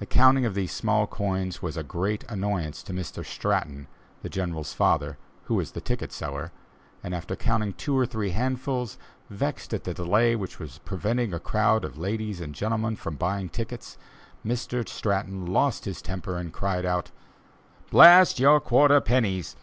The counting of these small coins was a great annoyance to Mr. Stratton, the General's father, who was ticket seller, and after counting two or three handsful, vexed at the delay which was preventing a crowd of ladies and gentlemen from buying tickets, Mr. Stratton lost his temper and cried out: "Blast your quarter pennies!